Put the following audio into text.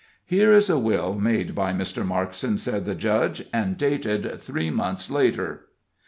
"Here is a will made by Mr. Markson," said the judge, "and dated three months later."